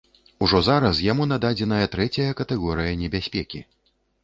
Ужо зараз яму нададзеная трэцяя катэгорыя небяспекі.